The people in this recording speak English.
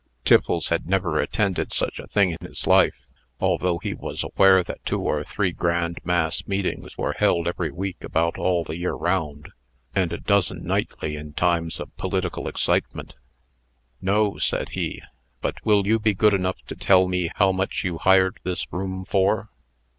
Tiffles had never attended such a thing in his life; although he was aware that two or three grand mass meetings were held every week about all the year round, and a dozen nightly in times of political excitement. "No," said he; "but will you be good enough to tell me how much you hired this room for?"